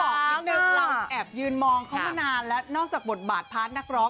นิดนึงเราแอบยืนมองเขามานานแล้วนอกจากบทบาทพาร์ทนักร้อง